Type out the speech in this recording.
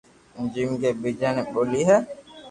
جيم ڪي ٻيجي بي ٻوليو ھي